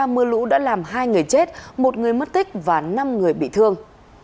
mưa lũ đã làm hai người chết một người mất tích và năm người bị thương